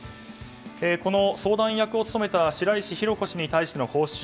この相談役を務めた白石浩子氏に対しての報酬